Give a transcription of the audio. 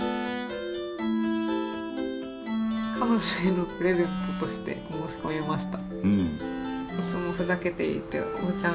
「彼女へのプレゼントとして申し込みました」。